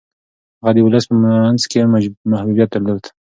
هغه د ولس په منځ کي محبوبیت درلود.